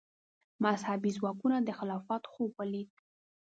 مذهبي ځواکونو د خلافت خوب ولید